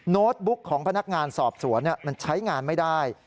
โน้ตบุ๊กของพนักงานสอบสวนมันใช้งานไม่ได้